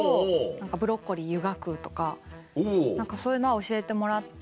何かブロッコリーゆがくとかそういうのは教えてもらって。